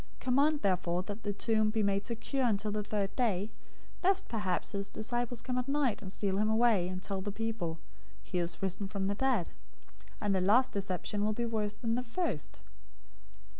027:064 Command therefore that the tomb be made secure until the third day, lest perhaps his disciples come at night and steal him away, and tell the people, 'He is risen from the dead;' and the last deception will be worse than the first."